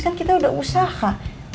kan kita udah usaha